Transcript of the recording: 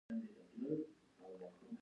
بې سړي کور خالي وي